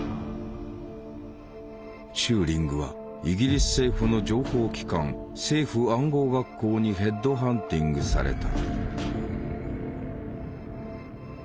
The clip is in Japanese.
チューリングはイギリス政府の情報機関政府暗号学校にヘッドハンティングされた。